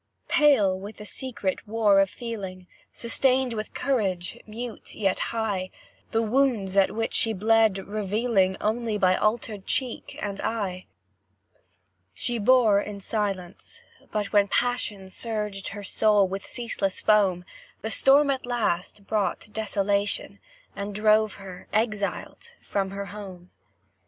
Pale with the secret war of feeling, Sustained with courage, mute, yet high; The wounds at which she bled, revealing Only by altered cheek and eye; She bore in silence but when passion Surged in her soul with ceaseless foam, The storm at last brought desolation, And drove her exiled from her home.